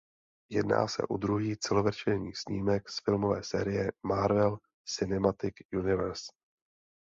Jedná se o druhý celovečerní snímek z filmové série Marvel Cinematic Universe.